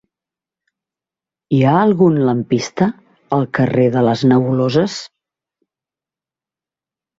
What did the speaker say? Hi ha algun lampista al carrer de les Nebuloses?